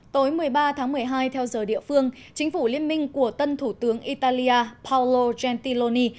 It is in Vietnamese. tối một mươi ba tháng một mươi hai theo giờ địa phương chính phủ liên minh của tân thủ tướng italia paulo jentiloni